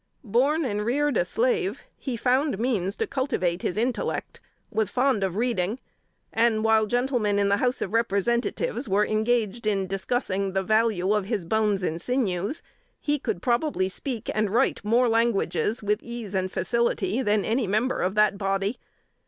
Born and reared a slave, he found means to cultivate his intellect was fond of reading; and while gentlemen in the House of Representatives were engaged in discussing the value of his bones and sinews, he could probably speak and write more languages with ease and facility than any member of that body.